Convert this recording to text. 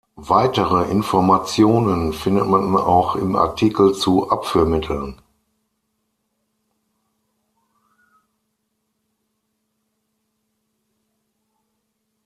Weitere Informationen findet man auch im Artikel zu Abführmitteln.